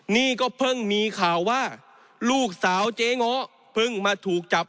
นี่ก็เพิ่งมีข่าวว่าลูกสาวเจ๊ง้อเพิ่งมาถูกจับ